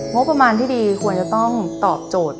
งบประมาณที่ดีควรจะต้องตอบโจทย์